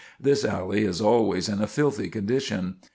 This alley is always in a filthy condition.